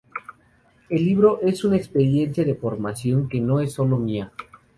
El libro es una experiencia de formación que no es sólo mía".